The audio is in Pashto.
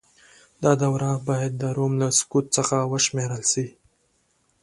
دا دوره بايد د روم له سقوط څخه وشمېرل سي.